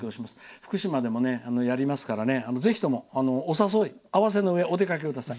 福島でもやりますからぜひとも、お誘いあわせのうえお出かけください。